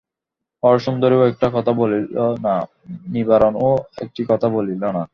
হরসুন্দরীও একটি কথা বলিল না, নিবারণও একটি কথা বলিল না।